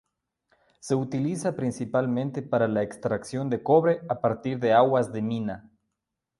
Se utiliza principalmente para la extracción de cobre a partir de aguas de mina.